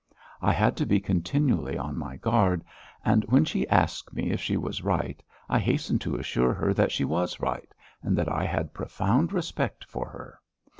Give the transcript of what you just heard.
I had to be continually on my guard, and when she asked me if she was right, I hastened to assure her that she was right and that I had a profound respect for her.